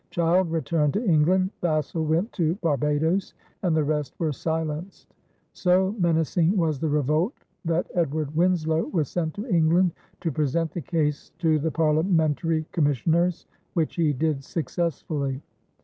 Child returned to England, Vassall went to Barbados, and the rest were silenced. So menacing was the revolt that Edward Winslow was sent to England to present the case to the parliamentary commissioners, which he did successfully.